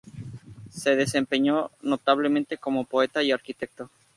Se desempeñó notablemente como poeta y arquitecto.